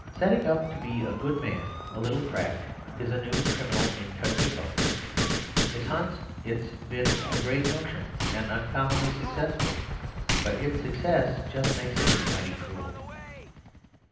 Setting up to be a good man a little cracked is a new criminal incognito, Miss Hunt. It's been a great notion, and uncommonly successful; but its success just makes it mighty cruel.